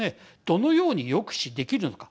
どのように抑止できるのか。